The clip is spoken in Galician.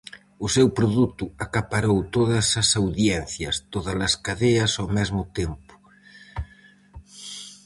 O seu "produto" acaparou todas as audiencias, tódalas cadeas ao mesmo tempo.